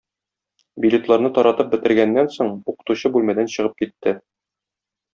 Билетларны таратып бетергәннән соң укытучы бүлмәдән чыгып китте.